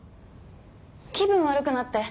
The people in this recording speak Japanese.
気分悪くなって。